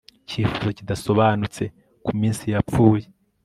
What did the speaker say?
Icyifuzo kidasobanutse kuminsi yapfuye